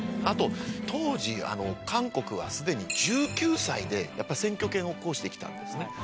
あと当時韓国は既に１９歳で選挙権を行使できたんですね。